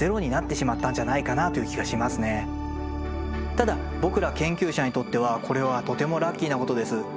ただ僕ら研究者にとってはこれはとてもラッキーなことです。